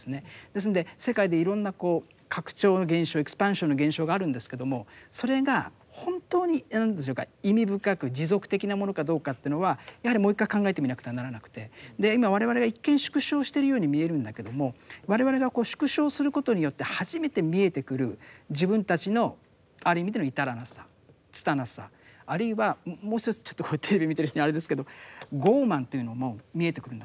ですので世界でいろんな拡張の現象エクスパンションの現象があるんですけどもそれが本当に何でしょうか意味深く持続的なものかどうかというのはやはりもう一回考えてみなくてはならなくて今我々が一見縮小してるように見えるんだけども我々がこう縮小することによって初めて見えてくる自分たちのある意味での至らなさ拙さあるいはもう一つちょっとこれテレビで見てる人にあれですけど傲慢というのも見えてくるんだと思うんです。